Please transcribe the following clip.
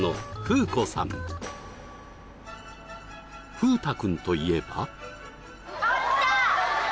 風太君といえば・